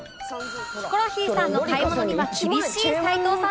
ヒコロヒーさんの買い物には厳しい齊藤さんですが